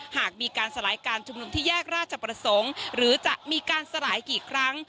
หากมีการสลายการชุมนุมที่แยกราชประสงค์หรือจะมีการสลายกี่ครั้ง